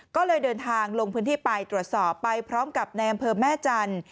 ก็เลยเดินทางลงพื้นที่ไปตรวจสอบไปพร้อมกับในอำเภอแม่จันทร์